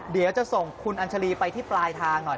เดี๋ยวจะส่งคุณอัญชาลีไปที่ปลายทางหน่อย